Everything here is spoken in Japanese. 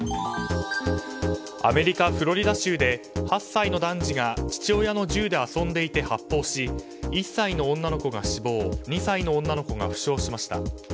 アメリカ・フロリダ州で８歳の男児が父親の銃で遊んでいて発砲し１歳の女の子が死亡２歳の女の子が負傷しました。